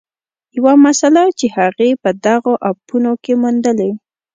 یوه مسله چې هغې په دغو اپونو کې موندلې